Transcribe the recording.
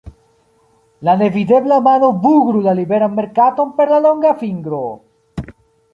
La Nevidebla Mano bugru la Liberan Merkaton per la longa fingro!